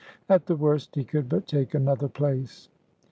At the worst, he could but take another place.